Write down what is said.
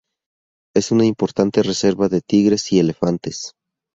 Es una importante reserva de tigres y elefantes.